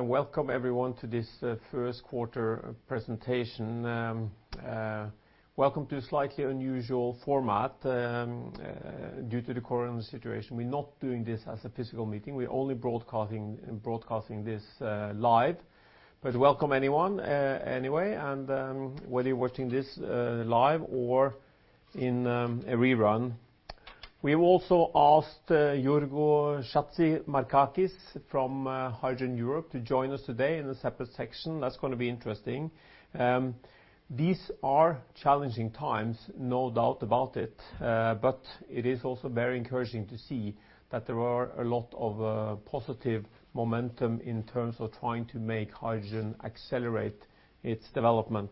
Welcome, everyone, to this first quarter presentation. Welcome to a slightly unusual format. Due to the COVID-19 situation, we're not doing this as a physical meeting, we're only broadcasting this live. Welcome, anyway, whether you're watching this live or in a rerun. We also asked Jorgo Chatzimarkakis from Hydrogen Europe to join us today in a separate section. That's going to be interesting. These are challenging times, no doubt about it, but it is also very encouraging to see that there are a lot of positive momentum in terms of trying to make hydrogen accelerate its development.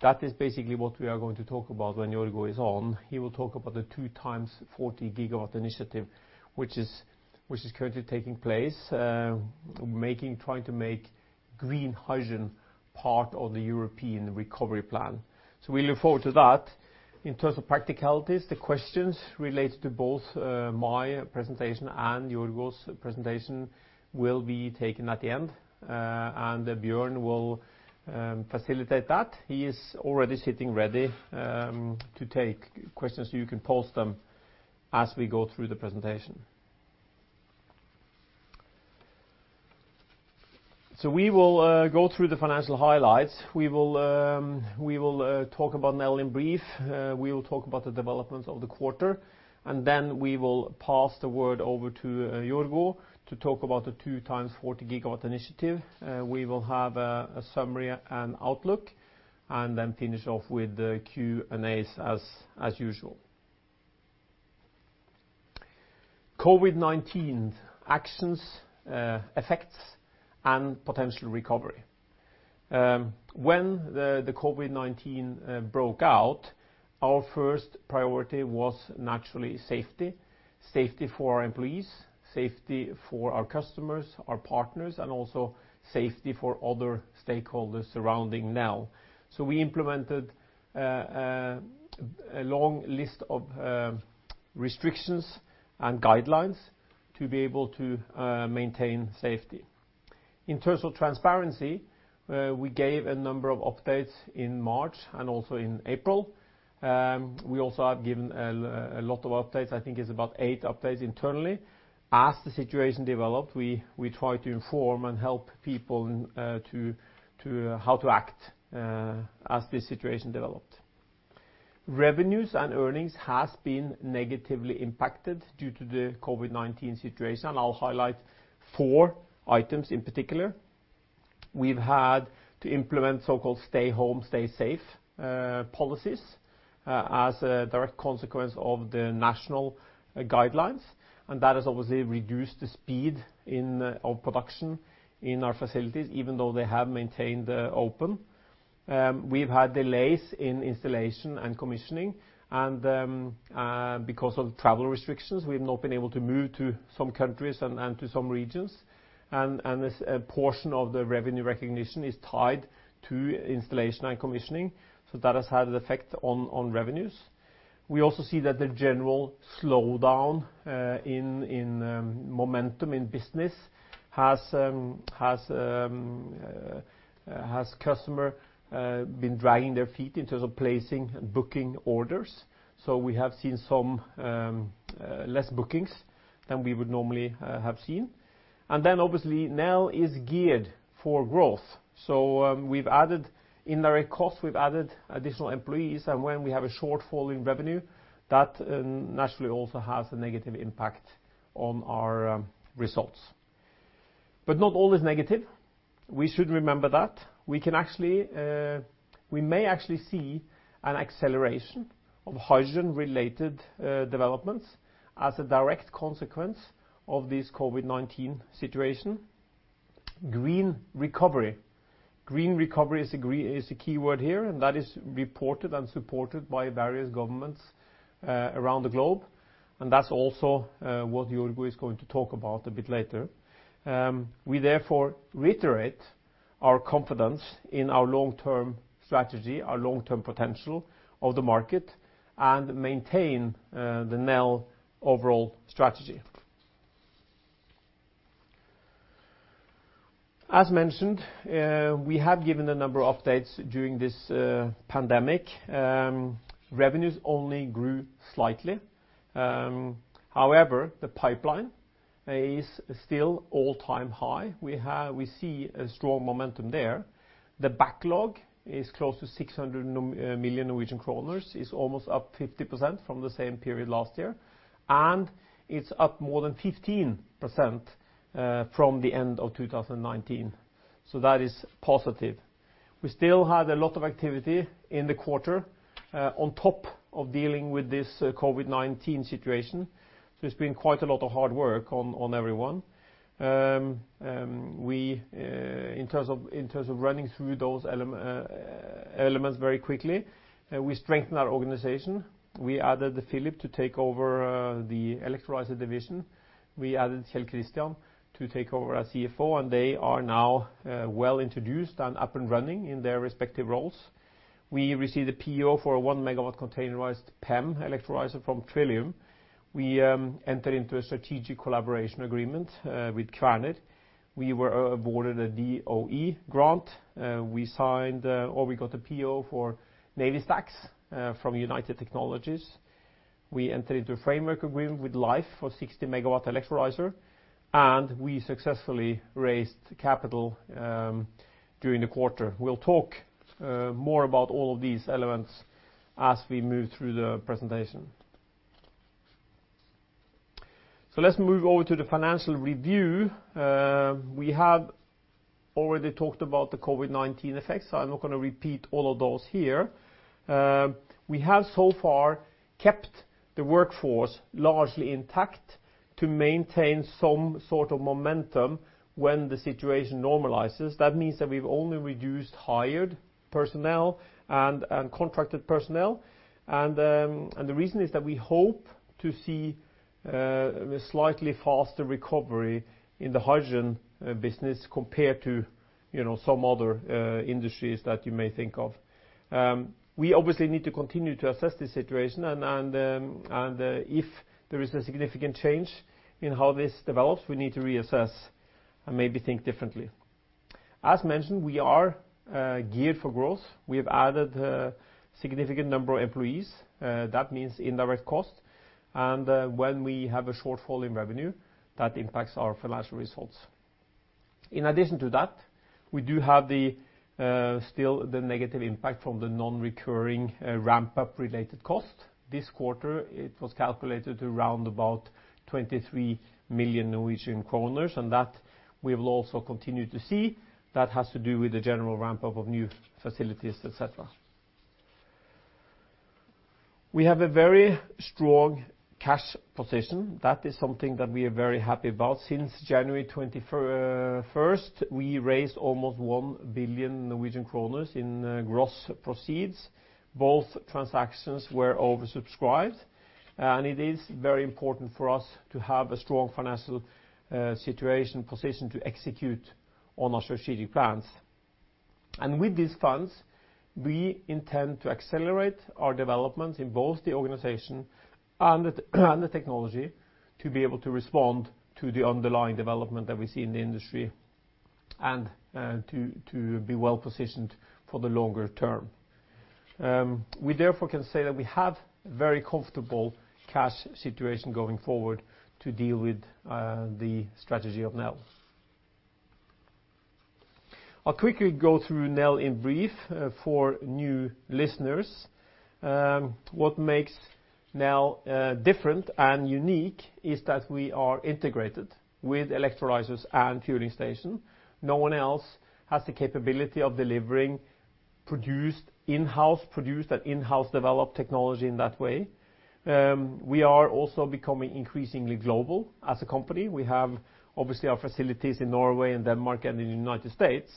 That is basically what we are going to talk about when Jorgo is on. He will talk about the 2x40 GW Initiative, which is currently taking place, trying to make green hydrogen part of the European recovery plan. We look forward to that. In terms of practicalities, the questions related to both my presentation and Jorgo's presentation will be taken at the end. Bjørn will facilitate that. He is already sitting ready to take questions, you can pose them as we go through the presentation. We will go through the financial highlights. We will talk about Nel in brief. We will talk about the developments of the quarter, we will pass the word over to Jorgo to talk about the Two Times 40 Gigawatt Initiative. We will have a summary and outlook, finish off with the Q&As as usual. COVID-19 actions, effects, and potential recovery. When the COVID-19 broke out, our first priority was naturally safety. Safety for our employees, safety for our customers, our partners, and also safety for other stakeholders surrounding Nel. We implemented a long list of restrictions and guidelines to be able to maintain safety. In terms of transparency, we gave a number of updates in March and also in April. We also have given a lot of updates, I think it's about eight updates internally. As the situation developed, we tried to inform and help people how to act as this situation developed. Revenues and earnings has been negatively impacted due to the COVID-19 situation. I'll highlight four items in particular. We've had to implement so-called stay home, stay safe policies, as a direct consequence of the national guidelines. That has obviously reduced the speed of production in our facilities, even though they have maintained open. We've had delays in installation and commissioning. Because of travel restrictions, we've not been able to move to some countries and to some regions. A portion of the revenue recognition is tied to installation and commissioning, so that has had an effect on revenues. We also see that the general slowdown in momentum in business has customers been dragging their feet in terms of placing and booking orders. We have seen some less bookings than we would normally have seen. Obviously Nel is geared for growth. We've added indirect costs, we've added additional employees, and when we have a shortfall in revenue, that naturally also has a negative impact on our results. Not all is negative. We should remember that. We may actually see an acceleration of hydrogen-related developments as a direct consequence of this COVID-19 situation. Green recovery. Green recovery is a key word here. That is reported and supported by various governments around the globe. That's also what Jorgo is going to talk about a bit later. We therefore reiterate our confidence in our long-term strategy, our long-term potential of the market, and maintain the Nel overall strategy. As mentioned, we have given a number of updates during this pandemic. Revenues only grew slightly. However, the pipeline is still all-time high. We see a strong momentum there. The backlog is close to 600 million Norwegian kroner, almost up 50% from the same period last year. It's up more than 15% from the end of 2019. That is positive. We still had a lot of activity in the quarter, on top of dealing with this COVID-19 situation. It's been quite a lot of hard work on everyone. In terms of running through those elements very quickly, we strengthened our organization. We added Filip to take over the electrolyzer division. We added Kjell Christian to take over our CFO. They are now well introduced and up and running in their respective roles. We received a PO for a 1 MW containerized PEM electrolyzer from Trillium. We entered into a strategic collaboration agreement with Kværner. We were awarded a DOE grant. We got a PO for Navy stacks from United Technologies. We entered into a framework agreement with Lhyfe for 60 MW electrolyzer. We successfully raised capital during the quarter. We'll talk more about all of these elements as we move through the presentation. Let's move over to the financial review. We have already talked about the COVID-19 effects. I'm not going to repeat all of those here. We have so far kept the workforce largely intact to maintain some sort of momentum when the situation normalizes. That means that we've only reduced hired personnel and contracted personnel. The reason is that we hope to see a slightly faster recovery in the hydrogen business compared to some other industries that you may think of. We obviously need to continue to assess the situation and if there is a significant change in how this develops, we need to reassess and maybe think differently. As mentioned, we are geared for growth. We have added a significant number of employees. That means indirect cost. When we have a shortfall in revenue, that impacts our financial results. In addition to that, we do have still the negative impact from the non-recurring ramp-up related cost. This quarter, it was calculated to roundabout 23 million Norwegian kroner, and that we will also continue to see. That has to do with the general ramp-up of new facilities, et cetera. We have a very strong cash position. That is something that we are very happy about. Since January 21, we raised almost 1 billion Norwegian kroner in gross proceeds. Both transactions were oversubscribed, and it is very important for us to have a strong financial situation position to execute on our strategic plans. With these funds, we intend to accelerate our developments in both the organization and the technology to be able to respond to the underlying development that we see in the industry and to be well-positioned for the longer term. We therefore can say that we have very comfortable cash situation going forward to deal with the strategy of Nel. I'll quickly go through Nel in brief for new listeners. What makes Nel different and unique is that we are integrated with electrolyzers and fueling station. No one else has the capability of delivering, in-house produced and in-house developed technology in that way. We are also becoming increasingly global as a company. We have obviously our facilities in Norway and Denmark and in the U.S.,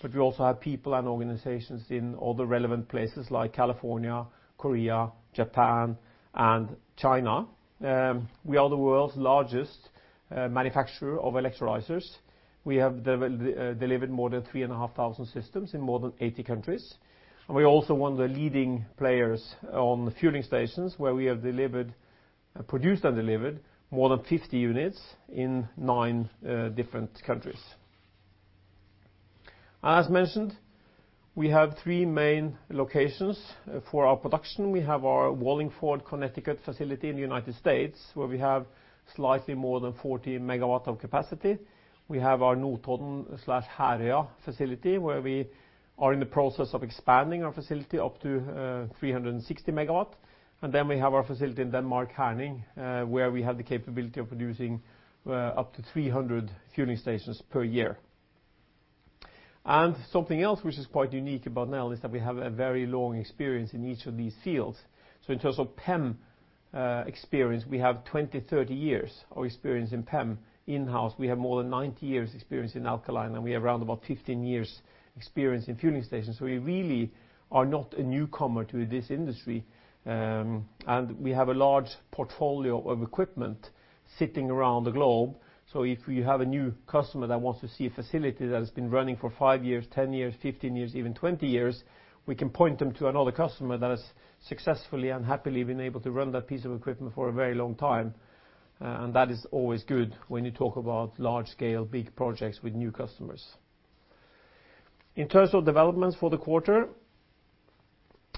but we also have people and organizations in all the relevant places like California, Korea, Japan, and China. We are the world's largest manufacturer of electrolyzers. We have delivered more than 3,500 systems in more than 80 countries. We are also one of the leading players on fueling stations where we have produced and delivered more than 50 units in nine different countries. As mentioned, we have three main locations for our production. We have our Wallingford, Connecticut facility in the U.S., where we have slightly more than 40 MW of capacity. We have our Notodden/Herøya facility, where we are in the process of expanding our facility up to 360 MW. We have our facility in Denmark, Herning, where we have the capability of producing up to 300 fueling stations per year. Something else which is quite unique about Nel is that we have a very long experience in each of these fields. In terms of PEM experience, we have 20, 30 years of experience in PEM in-house. We have more than 90 years experience in alkaline, and we have around about 15 years experience in fueling stations. We really are not a newcomer to this industry. We have a large portfolio of equipment sitting around the globe. If you have a new customer that wants to see a facility that has been running for five years, 10 years, 15 years, even 20 years, we can point them to another customer that has successfully and happily been able to run that piece of equipment for a very long time. That is always good when you talk about large scale, big projects with new customers. In terms of developments for the quarter,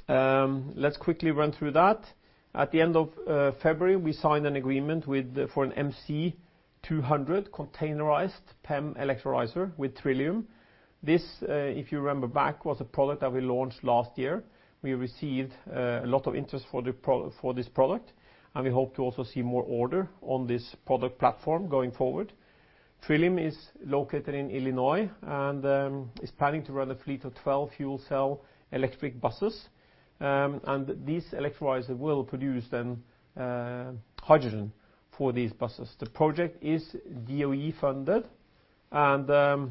let's quickly run through that. At the end of February, we signed an agreement for an MC250 containerized PEM electrolyzer with Trillium. This, if you remember back, was a product that we launched last year. We received a lot of interest for this product, and we hope to also see more order on this product platform going forward. Trillium is located in Illinois and is planning to run a fleet of 12 fuel cell electric buses. This electrolyzer will produce then hydrogen for these buses. The project is DOE funded, and the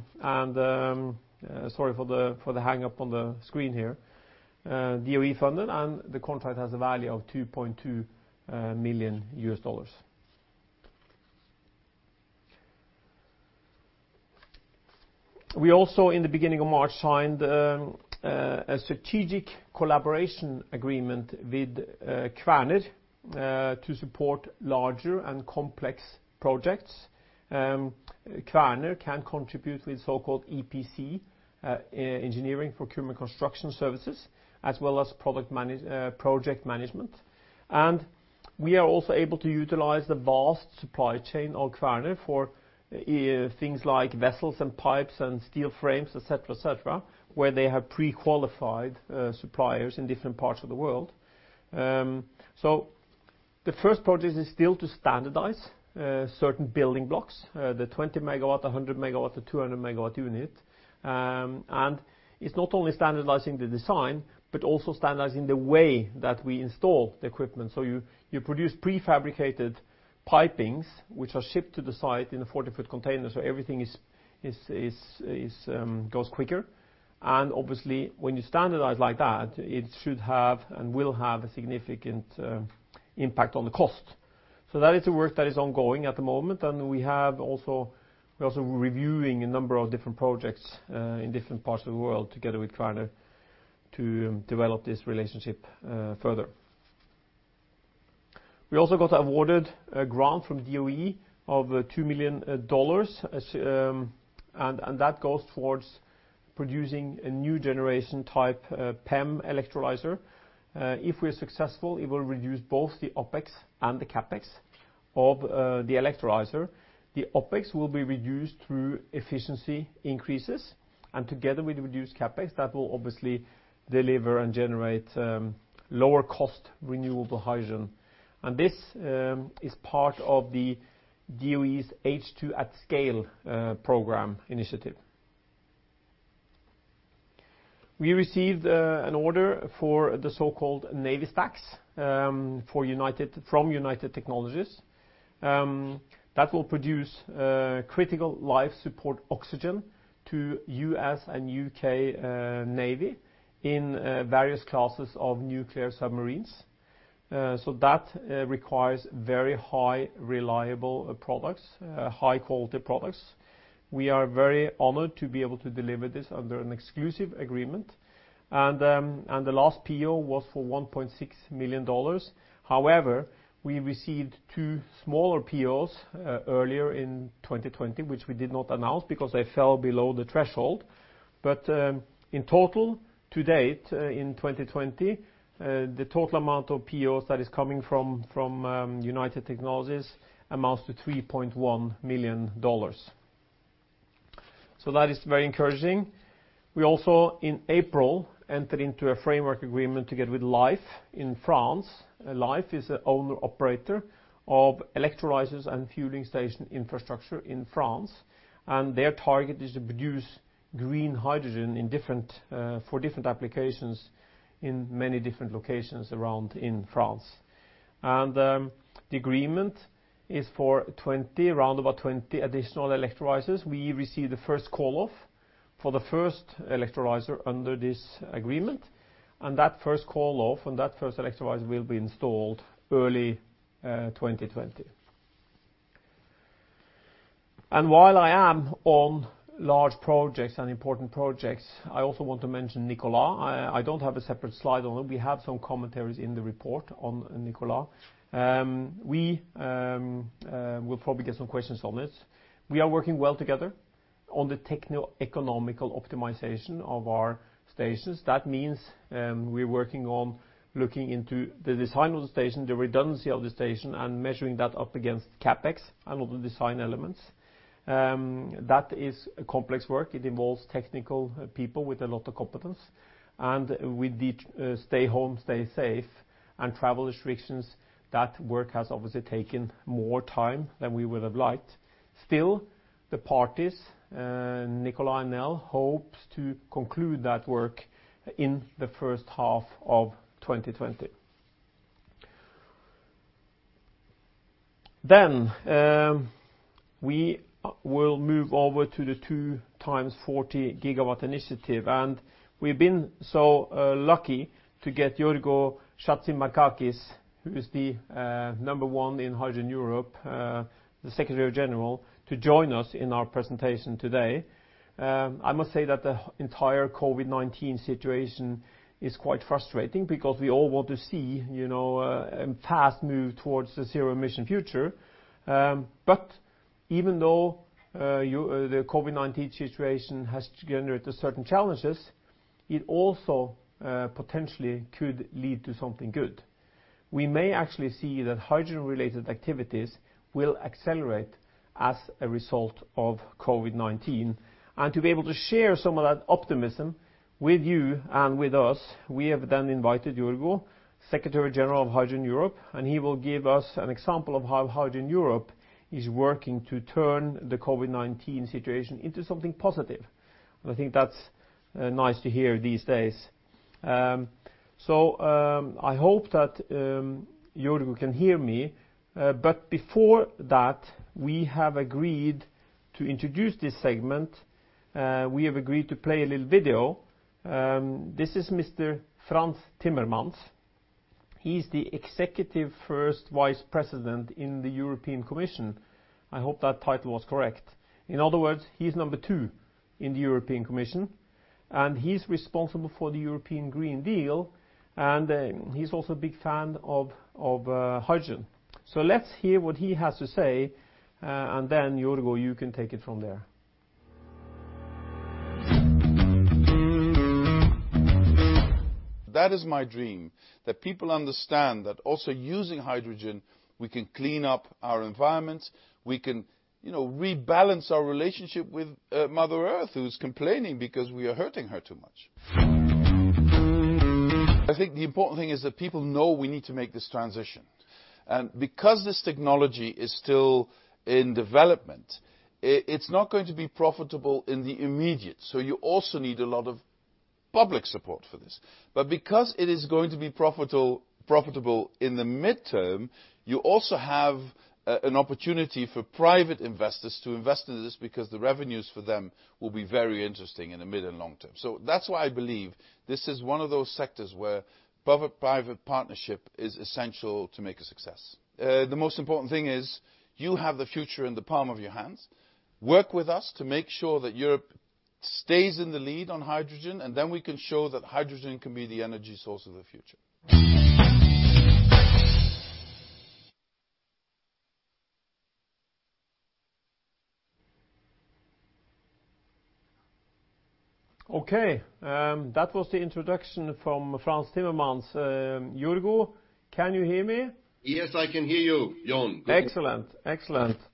contract has a value of $2.2 million US dollars. We also, in the beginning of March, signed a strategic collaboration agreement with Kværner to support larger and complex projects. Kværner can contribute with so-called EPC, engineering, procurement construction services, as well as project management. We are also able to utilize the vast supply chain of Kværner for things like vessels and pipes and steel frames, et cetera, where they have pre-qualified suppliers in different parts of the world. The first project is still to standardize certain building blocks, the 20 megawatt, 100 megawatt, and the 200 megawatt unit. It's not only standardizing the design, but also standardizing the way that we install the equipment. You produce prefabricated pipings, which are shipped to the site in a 40-foot container. Everything goes quicker, and obviously when you standardize like that, it should have and will have a significant impact on the cost. That is a work that is ongoing at the moment, and we have also, we're also reviewing a number of different projects, in different parts of the world together with Kværner to develop this relationship further. We also got awarded a grant from DOE of $2 million, and that goes towards producing a new generation type PEM electrolyzer. If we're successful, it will reduce both the OpEx and the CapEx of the electrolyzer. The OpEx will be reduced through efficiency increases and together with reduced CapEx, that will obviously deliver and generate lower cost renewable hydrogen. This is part of the DOE's H2@Scale program initiative. We received an order for the so-called Navy stacks, from United Technologies, that will produce critical life support oxygen to U.S. and U.K. Navy in various classes of nuclear submarines. That requires very high reliable products, high quality products. We are very honored to be able to deliver this under an exclusive agreement. The last PO was for $1.6 million. However, we received two smaller POs earlier in 2020, which we did not announce because they fell below the threshold. In total, to date, in 2020, the total amount of POs that is coming from United Technologies amounts to $3.1 million. That is very encouraging. We also, in April, entered into a framework agreement together with Lhyfe in France. Lhyfe is the owner-operator of electrolyzers and fueling station infrastructure in France, and their target is to produce green hydrogen for different applications in many different locations around in France. The agreement is for around about 20 additional electrolyzers. We received the first call-off for the first electrolyzer under this agreement, and that first call-off and that first electrolyzer will be installed early 2020. While I am on large projects and important projects, I also want to mention Nikola. I don't have a separate slide on it. We have some commentaries in the report on Nikola. We will probably get some questions on this. We are working well together on the techno-economical optimization of our stations. That means, we are working on looking into the design of the station, the redundancy of the station, and measuring that up against CapEx and all the design elements. That is a complex work. It involves technical people with a lot of competence and with the stay home, stay safe and travel restrictions, that work has obviously taken more time than we would have liked. The parties, Nikola and Nel, hopes to conclude that work in the first half of 2020. We will move over to the 2x40 GW Initiative, and we've been so lucky to get Jorgo Chatzimarkakis, who is the number one in Hydrogen Europe, the Secretary-General, to join us in our presentation today. I must say that the entire COVID-19 situation is quite frustrating because we all want to see a fast move towards the zero emission future. Even though the COVID-19 situation has generated certain challenges, it also potentially could lead to something good. We may actually see that hydrogen-related activities will accelerate as a result of COVID-19. To be able to share some of that optimism with you and with us, we have invited Jorgo, Secretary-General of Hydrogen Europe, and he will give us an example of how Hydrogen Europe is working to turn the COVID-19 situation into something positive. I think that's nice to hear these days. I hope that Jorgo can hear me. Before that, we have agreed to introduce this segment. We have agreed to play a little video. This is Mr. Frans Timmermans. He's the Executive First Vice President in the European Commission. I hope that title was correct. In other words, he's number 2 in the European Commission, he's responsible for the European Green Deal, and he's also a big fan of hydrogen. Let's hear what he has to say, and then Jorgo, you can take it from there. That is my dream, that people understand that also using hydrogen, we can clean up our environment. We can rebalance our relationship with Mother Earth, who's complaining because we are hurting her too much. I think the important thing is that people know we need to make this transition. Because this technology is still in development, it's not going to be profitable in the immediate. You also need a lot of public support for this. Because it is going to be profitable in the mid-term, you also have an opportunity for private investors to invest into this because the revenues for them will be very interesting in the mid and long term. That's why I believe this is one of those sectors where public-private partnership is essential to make a success. The most important thing is you have the future in the palm of your hands. Work with us to make sure that Europe stays in the lead on hydrogen, and then we can show that hydrogen can be the energy source of the future. Okay. That was the introduction from Frans Timmermans. Jorgo, can you hear me? Yes, I can hear you, Jon. Excellent.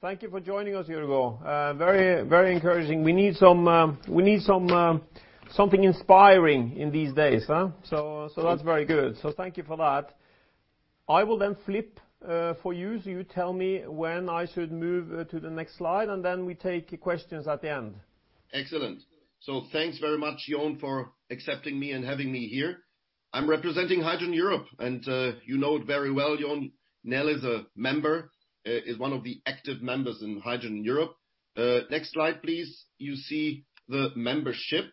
Thank you for joining us, Jorgo. Very encouraging. We need something inspiring in these days, huh? That's very good. Thank you for that. I will then flip for you, so you tell me when I should move to the next slide, and then we take questions at the end. Excellent. Thanks very much, Jon, for accepting me and having me here. I'm representing Hydrogen Europe, you know it very well, Jon. Nel is a member, is one of the active members in Hydrogen Europe. Next slide, please. You see the membership.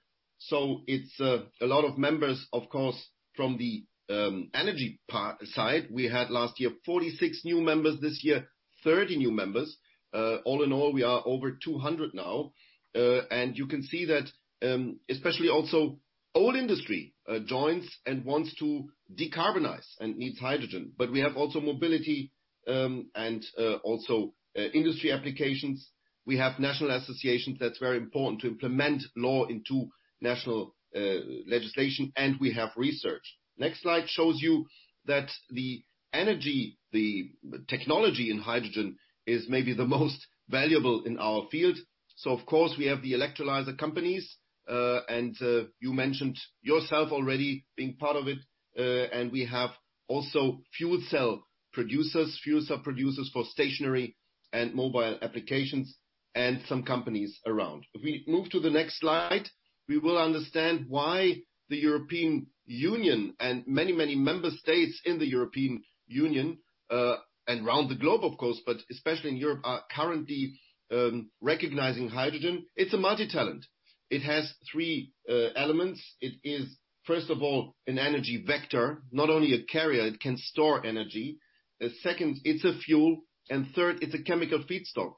It's a lot of members, of course, from the energy side. We had last year 46 new members, this year, 30 new members. All in all, we are over 200 now. You can see that especially also oil industry joins and wants to decarbonize and needs hydrogen. We have also mobility, and also industry applications. We have national associations that's very important to implement law into national legislation, and we have research. Next slide shows you that the energy, the technology in hydrogen is maybe the most valuable in our field. Of course, we have the electrolyzer companies, and you mentioned yourself already being part of it. We have also fuel cell producers, fuel cell producers for stationary and mobile applications, and some companies around. If we move to the next slide, we will understand why the European Union and many member states in the European Union, and around the globe, of course, but especially in Europe, are currently recognizing hydrogen. It's a multitalent. It has three elements. It is, first of all, an energy vector, not only a carrier, it can store energy. Second, it's a fuel, and third, it's a chemical feedstock.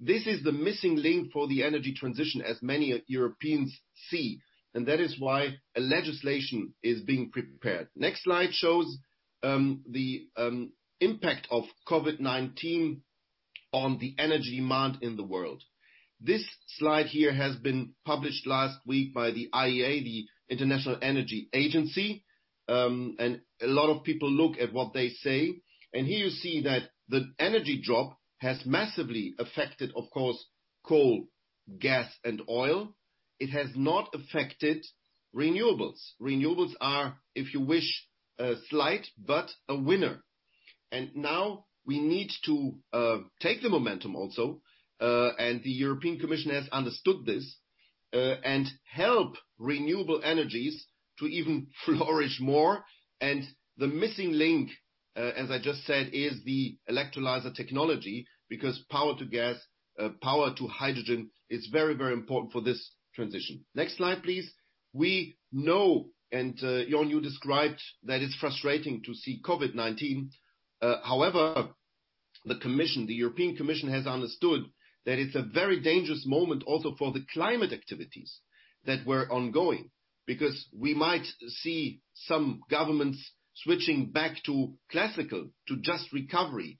This is the missing link for the energy transition as many Europeans see, and that is why a legislation is being prepared. Next slide shows the impact of COVID-19 on the energy demand in the world. This slide here has been published last week by the IEA, the International Energy Agency. A lot of people look at what they say. Here you see that the energy drop has massively affected, of course, coal, gas, and oil. It has not affected renewables. Renewables are, if you wish, slight, but a winner. Now we need to take the momentum also, and the European Commission has understood this, and help renewable energies to even flourish more. The missing link, as I just said, is the electrolyzer technology, because power to gas, power to hydrogen is very important for this transition. Next slide, please. We know, Jon, you described that it's frustrating to see COVID-19. However, the European Commission has understood that it's a very dangerous moment also for the climate activities that were ongoing. We might see some governments switching back to classical recovery.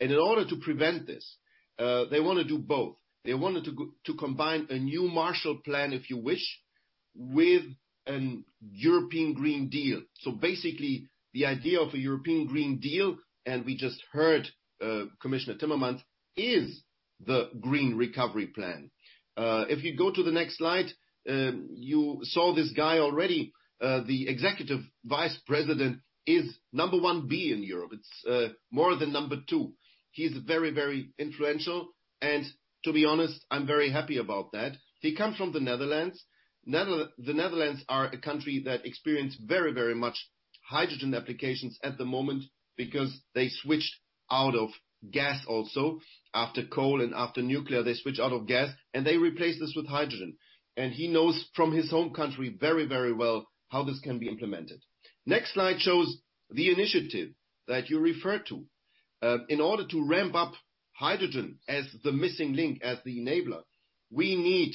In order to prevent this, they want to do both. They wanted to combine a new Marshall Plan, if you wish, with a European Green Deal. Basically, the idea of a European Green Deal, and we just heard Commissioner Timmermans, is the green recovery plan. If you go to the next slide, you saw this guy already. The Executive Vice President is number 1B in Europe. It's more than number two. He's very influential, and to be honest, I'm very happy about that. He comes from the Netherlands. The Netherlands are a country that experience very much hydrogen applications at the moment because they switched out of gas also after coal and after nuclear. They switched out of gas, and they replaced this with hydrogen. He knows from his home country very well how this can be implemented. Next slide shows the initiative that you referred to. In order to ramp up hydrogen as the missing link, as the enabler, we need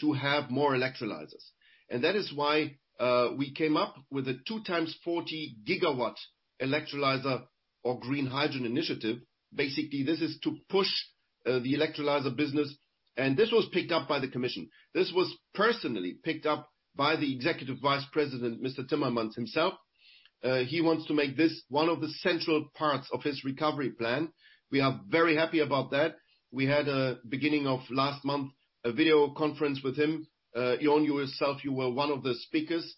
to have more electrolyzers. That is why we came up with a 2x40 GW electrolyzer or green hydrogen initiative. Basically, this is to push the electrolyzer business, and this was picked up by the European Commission. This was personally picked up by the Executive Vice President, Mr. Timmermans himself. He wants to make this one of the central parts of his recovery plan. We are very happy about that. We had a beginning of last month, a video conference with him. Jon, you himself, you were one of the speakers.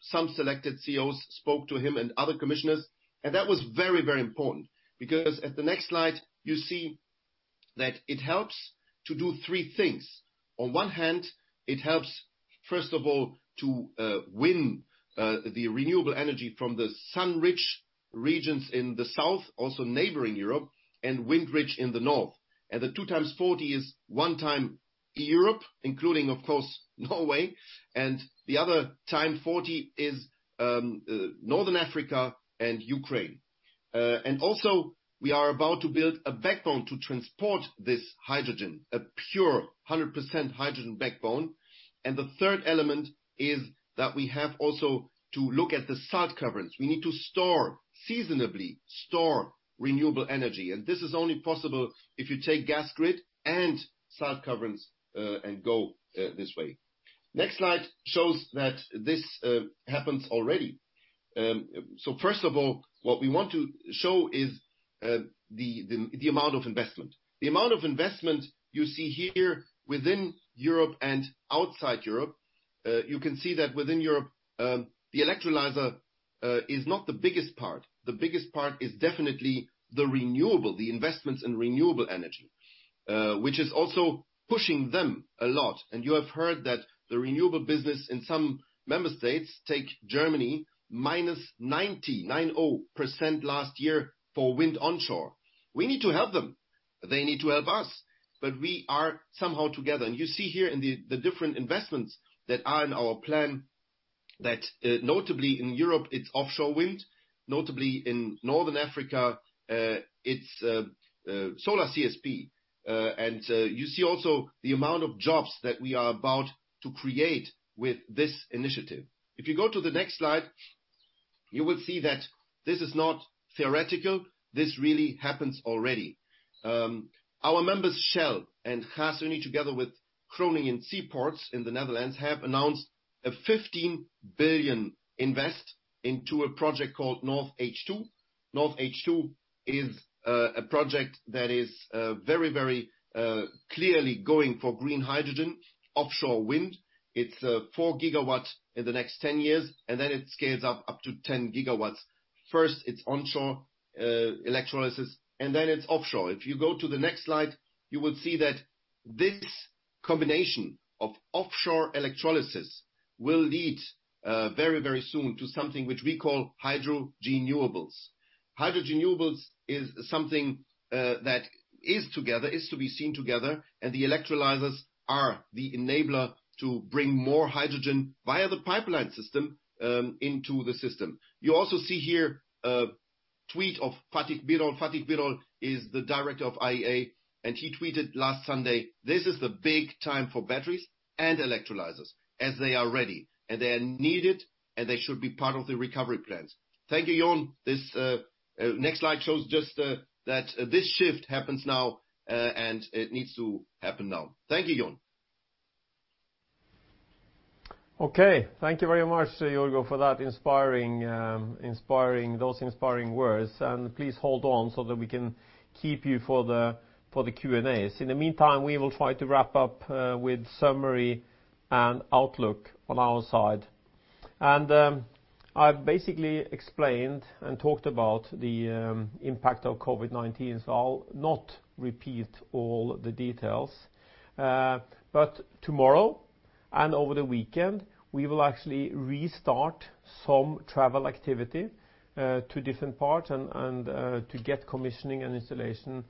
Some selected CEOs spoke to him and other commissioners, that was very important because at the next slide, you see that it helps to do three things. On one hand, it helps, first of all, to win the renewable energy from the sun-rich regions in the south, also neighboring Europe, and wind-rich in the north. The two times 40 is one time Europe, including, of course, Norway, and the other time 40 is Northern Africa and Ukraine. We are about to build a backbone to transport this hydrogen, a pure 100% hydrogen backbone. The third element is that we have also to look at the salt caverns. We need to store, seasonably store renewable energy. This is only possible if you take gas grid and salt caverns, and go this way. Next slide shows that this happens already. First of all, what we want to show is the amount of investment. The amount of investment you see here within Europe and outside Europe. You can see that within Europe, the electrolyzer is not the biggest part. The biggest part is definitely the renewable, the investments in renewable energy, which is also pushing them a lot. You have heard that the renewable business in some member states, take Germany, minus 90%, nine zero percent last year for wind onshore. We need to help them. They need to help us, but we are somehow together. You see here in the different investments that are in our plan that notably in Europe, it's offshore wind, notably in Northern Africa, it's Solar CSP. You see also the amount of jobs that we are about to create with this initiative. If you go to the next slide, you will see that this is not theoretical. This really happens already. Our members, Shell and Gasunie, together with Groningen Seaports in the Netherlands, have announced a 15 billion invest into a project called NortH2. NortH2 is a project that is very clearly going for green hydrogen offshore wind. It's four gigawatts in the next 10 years, then it scales up to 10 gigawatts. First, it's onshore electrolysis, then it's offshore. If you go to the next slide, you will see that this combination of offshore electrolysis will lead very soon to something which we call hydro renewables. Hydro renewables is something that is to be seen together, the electrolyzers are the enabler to bring more hydrogen via the pipeline system into the system. You also see here a tweet of Fatih Birol. Fatih Birol is the director of IEA, and he tweeted last Sunday, "This is the big time for batteries and electrolyzers as they are ready, and they are needed, and they should be part of the recovery plans." Thank you, Jon. This next slide shows just that this shift happens now, and it needs to happen now. Thank you, Jon. Okay. Thank you very much, Jorgo, for those inspiring words. Please hold on so that we can keep you for the Q&As. In the meantime, we will try to wrap up with summary and outlook on our side. I've basically explained and talked about the impact of COVID-19, so I'll not repeat all the details. Tomorrow and over the weekend, we will actually restart some travel activity to different parts and to get commissioning and installation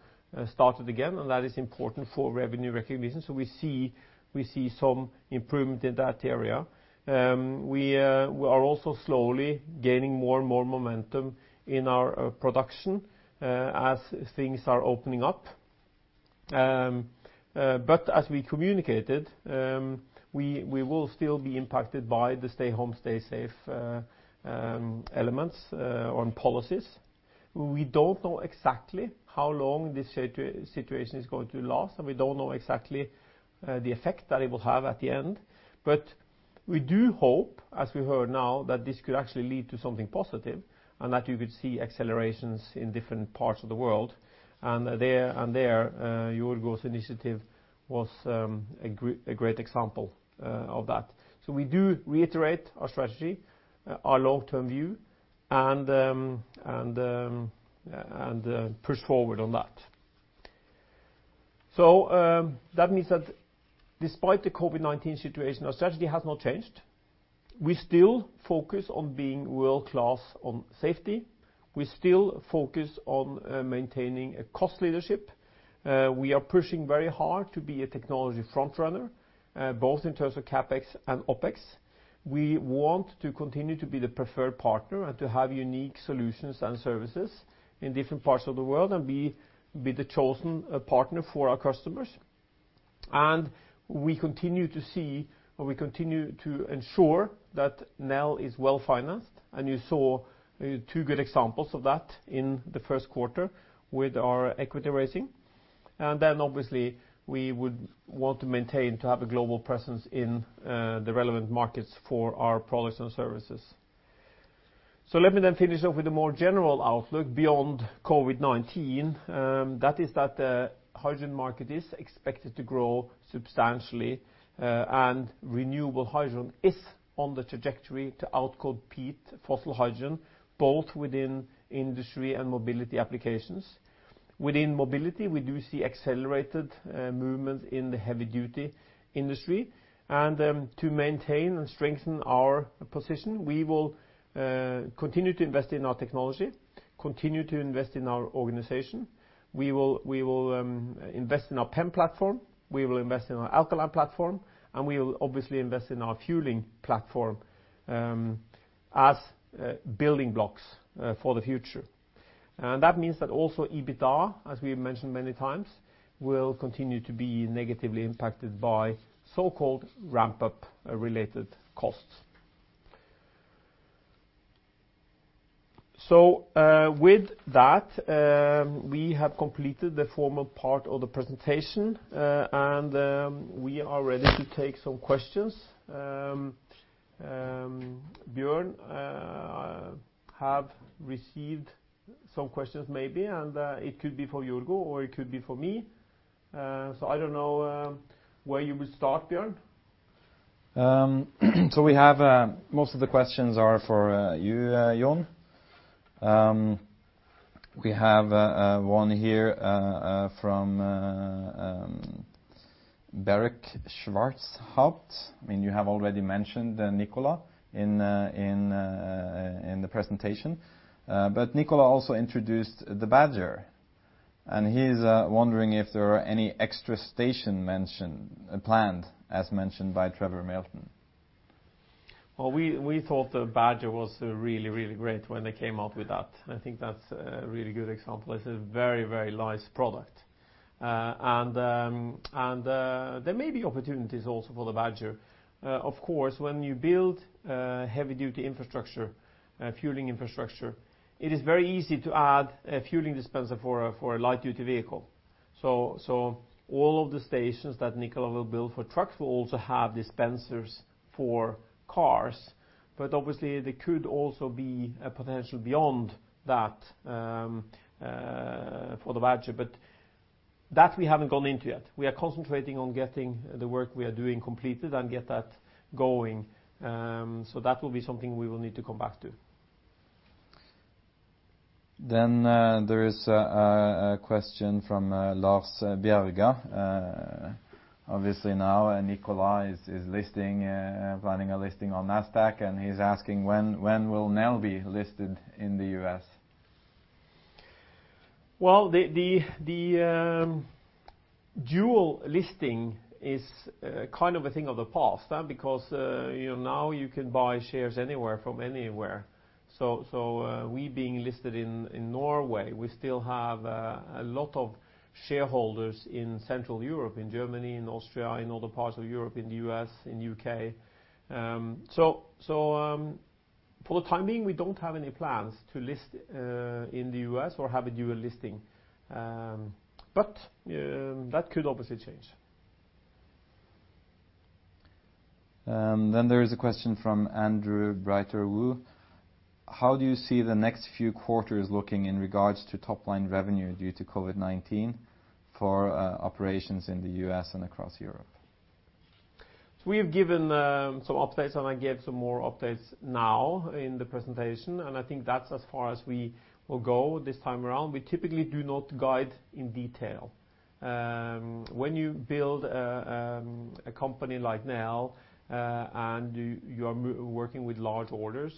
started again. That is important for revenue recognition. We see some improvement in that area. We are also slowly gaining more and more momentum in our production as things are opening up. As we communicated, we will still be impacted by the stay home, stay safe elements on policies. We don't know exactly how long this situation is going to last, and we don't know exactly the effect that it will have at the end. We do hope, as we heard now, that this could actually lead to something positive and that you could see accelerations in different parts of the world. There, Jorgo's initiative was a great example of that. We do reiterate our strategy, our long-term view, and push forward on that. That means that despite the COVID-19 situation, our strategy has not changed. We still focus on being world-class on safety. We still focus on maintaining a cost leadership. We are pushing very hard to be a technology frontrunner both in terms of CapEx and OpEx. We want to continue to be the preferred partner and to have unique solutions and services in different parts of the world and be the chosen partner for our customers. We continue to ensure that Nel is well-financed, and you saw two good examples of that in the first quarter with our equity raising. Obviously we would want to maintain to have a global presence in the relevant markets for our products and services. Let me then finish off with a more general outlook beyond COVID-19. That is that the hydrogen market is expected to grow substantially, and renewable hydrogen is on the trajectory to outcompete fossil hydrogen, both within industry and mobility applications. Within mobility, we do see accelerated movement in the heavy duty industry. To maintain and strengthen our position, we will continue to invest in our technology, continue to invest in our organization. We will invest in our PEM platform, we will invest in our alkaline platform, and we will obviously invest in our fueling platform as building blocks for the future. That means that also EBITDA, as we mentioned many times, will continue to be negatively impacted by so-called ramp-up related costs. With that, we have completed the formal part of the presentation, and we are ready to take some questions. Bjørn have received some questions maybe, and it could be for Jorgo or it could be for me. I don't know where you will start, Bjørn. We have most of the questions are for you, Jon. We have one here from Beric Schwartz Haupt. I mean, you have already mentioned Nikola in the presentation. Nikola also introduced the Badger, and he is wondering if there are any extra station mentioned, planned, as mentioned by Trevor Milton. Well, we thought the Badger was really, really great when they came out with that. I think that's a really good example. It's a very, very nice product. There may be opportunities also for the Badger. Of course, when you build heavy duty infrastructure, fueling infrastructure, it is very easy to add a fueling dispenser for a light duty vehicle. All of the stations that Nikola will build for trucks will also have dispensers for cars, but obviously there could also be a potential beyond that for the Badger. That we haven't gone into yet. We are concentrating on getting the work we are doing completed and get that going. That will be something we will need to come back to. There is a question from Lars Bjerga. Obviously now, Nikola is planning a listing on NASDAQ, and he's asking, "When will Nel be listed in the U.S.? The dual listing is kind of a thing of the past because now you can buy shares anywhere from anywhere. We being listed in Norway, we still have a lot of shareholders in Central Europe, in Germany, in Austria, in other parts of Europe, in the U.S., in U.K. For the time being, we don't have any plans to list in the U.S. or have a dual listing. That could obviously change. There is a question from Andrew Breiter-Wu. How do you see the next few quarters looking in regards to top line revenue due to COVID-19 for operations in the U.S. and across Europe? We have given some updates. I gave some more updates now in the presentation. I think that's as far as we will go this time around. We typically do not guide in detail. When you build a company like Nel, you are working with large orders,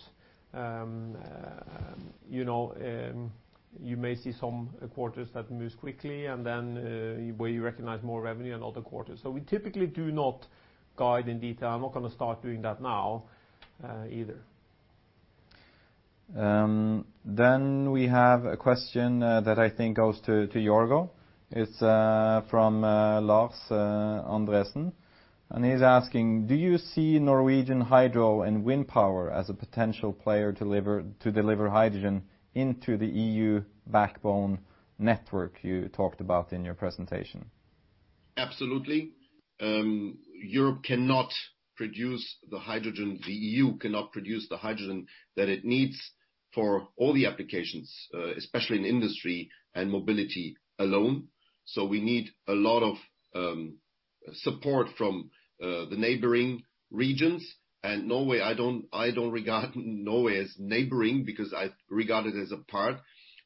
you may see some quarters that moves quickly and then where you recognize more revenue and other quarters. We typically do not guide in detail. I'm not going to start doing that now either. We have a question that I think goes to Jorgo. It's from Lars Andresen, and he's asking, "Do you see Norwegian Hydro and Wind Power as a potential player to deliver hydrogen into the EU backbone network you talked about in your presentation? Absolutely. Europe cannot produce the hydrogen, the EU cannot produce the hydrogen that it needs for all the applications, especially in industry and mobility alone. We need a lot of support from the neighboring regions. Norway, I don't regard Norway as neighboring because I regard it as a part.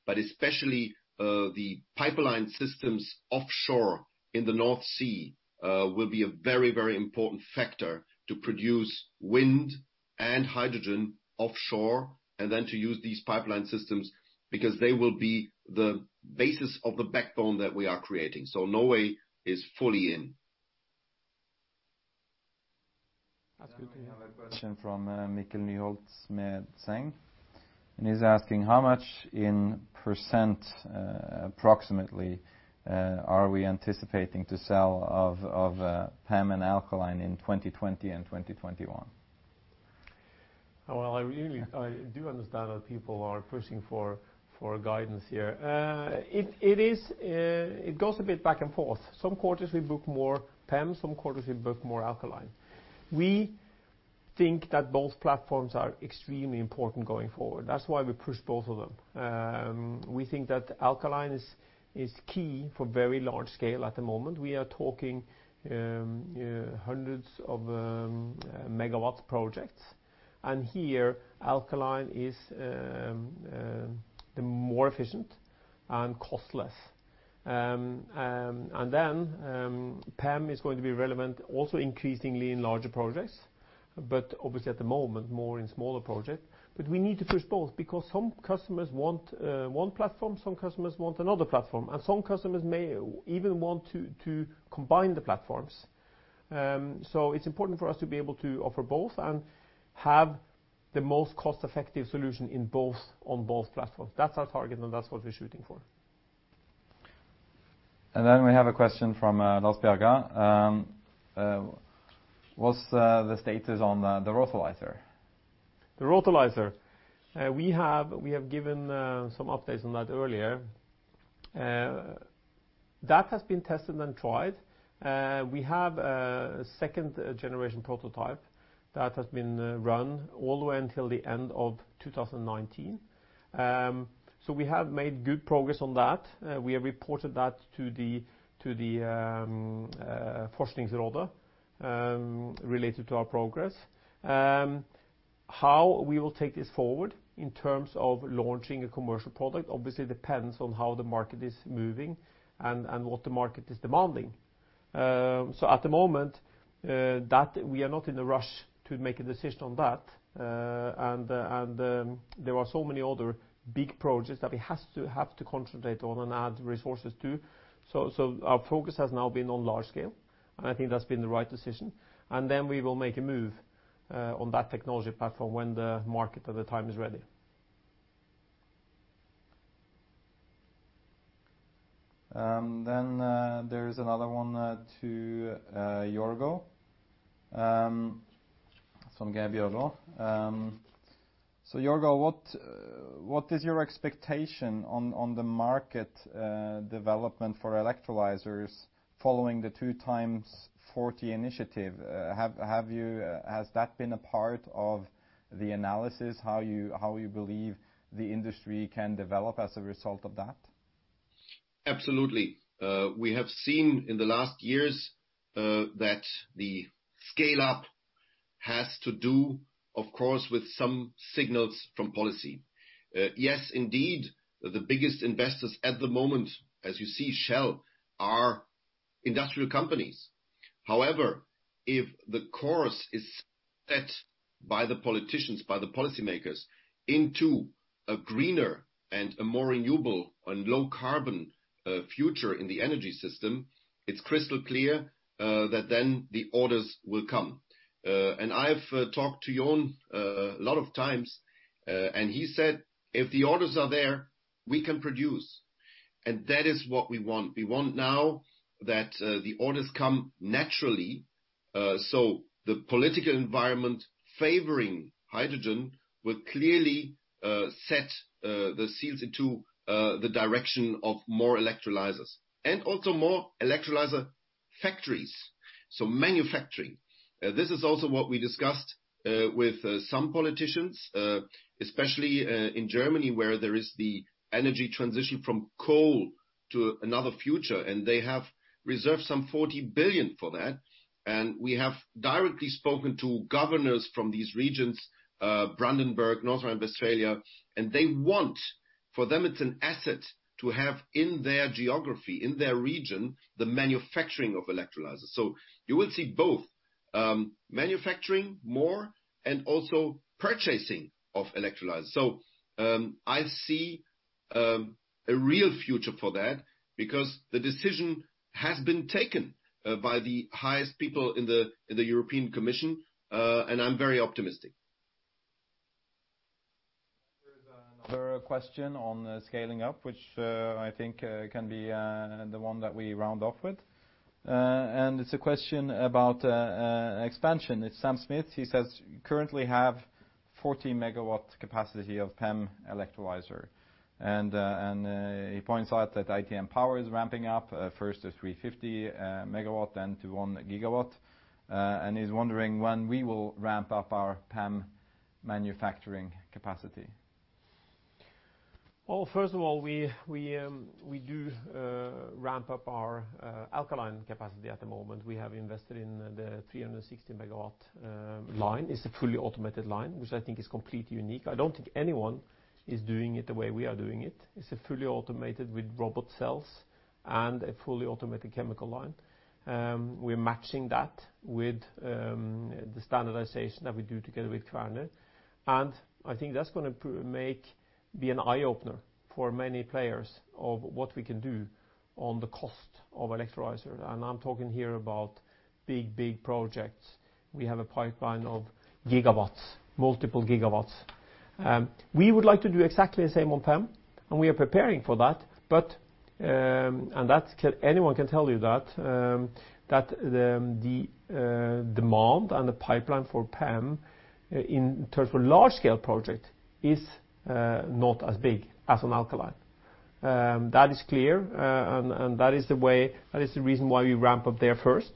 Especially, the pipeline systems offshore in the North Sea will be a very important factor to produce wind and hydrogen offshore, and then to use these pipeline systems because they will be the basis of the backbone that we are creating. Norway is fully in. That's good to hear. We have a question from Mikkel Nyholt-Smedseng, and he's asking, "How much in % approximately are we anticipating to sell of PEM and alkaline in 2020 and 2021? I really do understand that people are pushing for guidance here. It goes a bit back and forth. Some quarters we book more PEM, some quarters we book more alkaline. We think that both platforms are extremely important going forward. That's why we push both of them. We think that alkaline is key for very large scale at the moment. We are talking hundreds of megawatts projects. Here, alkaline is more efficient and cost less. PEM is going to be relevant also increasingly in larger projects, but obviously at the moment, more in smaller projects. We need to push both because some customers want one platform, some customers want another platform, and some customers may even want to combine the platforms. It's important for us to be able to offer both and have the most cost-effective solution on both platforms. That's our target and that's what we're shooting for. We have a question from Lars Bjerga. What's the status on the RotoLyzer? The RotoLyzer. We have given some updates on that earlier. That has been tested and tried. We have a second-generation prototype that has been run all the way until the end of 2019. We have made good progress on that. We have reported that to the Forskningsrådet related to our progress. How we will take this forward in terms of launching a commercial product, obviously depends on how the market is moving and what the market is demanding. At the moment, we are not in a rush to make a decision on that. There are so many other big projects that we have to concentrate on and add resources to. Our focus has now been on large scale, and I think that's been the right decision. We will make a move on that technology platform when the market at the time is ready. There's another one to Jorgo from Gabe Jorgo. Jorgo, what is your expectation on the market development for electrolyzers following the 2x40 GW Initiative? Has that been a part of the analysis, how you believe the industry can develop as a result of that? Absolutely. We have seen in the last years that the scale-up has to do, of course, with some signals from policy. Yes, indeed, the biggest investors at the moment, as you see, Shell, are industrial companies. However, if the course is set by the politicians, by the policymakers into a greener and a more renewable and low carbon future in the energy system, it's crystal clear that then the orders will come. I've talked to Jon a lot of times, and he said, "If the orders are there, we can produce." That is what we want. We want now that the orders come naturally. The political environment favoring hydrogen will clearly set the seals into the direction of more electrolyzers and also more electrolyzer factories, so manufacturing. This is also what we discussed with some politicians, especially in Germany, where there is the energy transition from coal to another future. They have reserved some 40 billion for that. We have directly spoken to governors from these regions, Brandenburg, North Rhine-Westphalia, and they want, for them it's an asset to have in their geography, in their region, the manufacturing of electrolyzers. You will see both manufacturing more and also purchasing of electrolyzers. I see a real future for that because the decision has been taken by the highest people in the European Commission, and I'm very optimistic. There is another question on scaling up, which I think can be the one that we round off with. It's a question about expansion. It's Sam Smith. He says, "You currently have 40 MW capacity of PEM electrolyzer. He points out that ITM Power is ramping up, first to 350 MW, then to 1 GW, and he's wondering when we will ramp up our PEM manufacturing capacity. First of all, we do ramp up our alkaline capacity at the moment. We have invested in the 360-megawatt line. It's a fully automated line, which I think is completely unique. I don't think anyone is doing it the way we are doing it. It's fully automated with robot cells and a fully automated chemical line. We're matching that with the standardization that we do together with Kværner. I think that's going to be an eye-opener for many players of what we can do on the cost of electrolyzer. I'm talking here about big projects. We have a pipeline of multiple gigawatts. We would like to do exactly the same on PEM, and we are preparing for that. Anyone can tell you that the demand and the pipeline for PEM in terms of a large-scale project is not as big as an alkaline. That is clear, and that is the reason why we ramp up there first.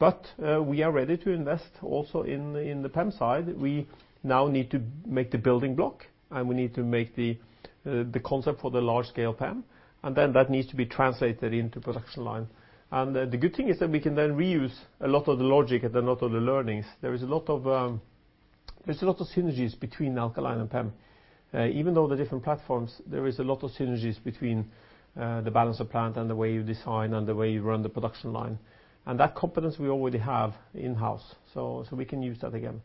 We are ready to invest also in the PEM side. We now need to make the building block, we need to make the concept for the large-scale PEM, that needs to be translated into production line. The good thing is that we can then reuse a lot of the logic and a lot of the learnings. There is a lot of synergies between alkaline and PEM. Even though they're different platforms, there is a lot of synergies between the balance of plant and the way you design and the way you run the production line. That competence we already have in-house, so we can use that again.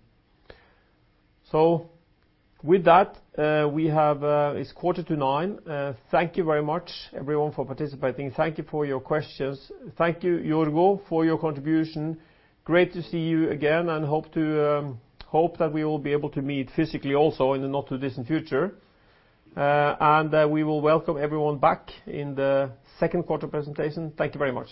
With that, it's quarter to nine. Thank you very much, everyone, for participating. Thank you for your questions. Thank you, Jorgo, for your contribution. Great to see you again, and hope that we will be able to meet physically also in the not too distant future. We will welcome everyone back in the second quarter presentation. Thank you very much.